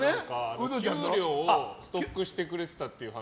給料をストックしてくれてたという話。